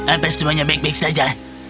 apa semuanya baik baik saja